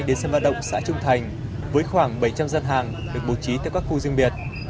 đến xe ma động xã trung thành với khoảng bảy trăm linh dân hàng được bổ trí tại các khu riêng biệt